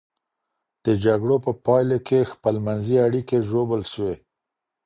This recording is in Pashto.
د جګړو په پایله کي خپلمنځي اړيکې ژوبل سوې.